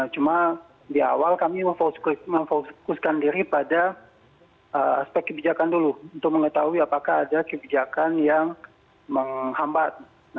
cuma di awal kami memfokuskan diri pada aspek kebijakan dulu untuk mengetahui apakah ada kebijakan yang menghambat